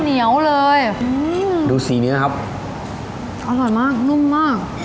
เหนียวเลยอืมดูสีนี้นะครับอร่อยมากนุ่มมาก